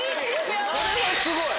これはすごい！